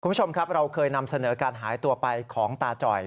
คุณผู้ชมครับเราเคยนำเสนอการหายตัวไปของตาจ่อย